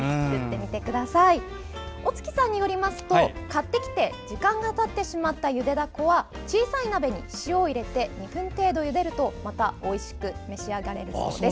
小槻さんによりますと買ってきて時間がたってしまったゆでダコは小さい鍋に塩を入れて２分程度ゆでるとまたおいしく召し上がれるそうです。